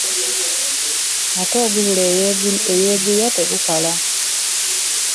Ate ogubula eyeguya tegukala .